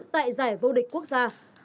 tại giải vô địch quốc gia